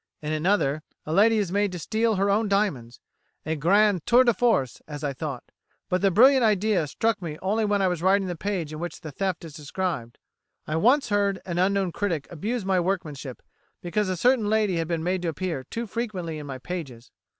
In another, a lady is made to steal her own diamonds, a grand tour de force, as I thought, but the brilliant idea struck me only when I was writing the page in which the theft is described. I once heard an unknown critic abuse my workmanship because a certain lady had been made to appear too frequently in my pages.